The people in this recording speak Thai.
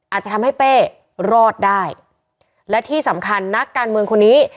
อาจจะทำให้เป้รอดได้และที่สำคัญนักการเมืองคนนี้